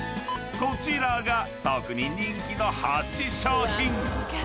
［こちらが特に人気の８商品］